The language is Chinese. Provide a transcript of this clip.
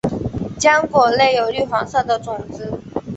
浆果内有绿黄色的种子。